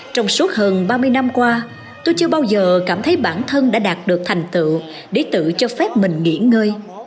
trong suốt hơn ba mươi năm qua tôi chưa bao giờ cảm thấy bản thân đã đạt được thành tựu để tự cho phép mình nghỉ ngơi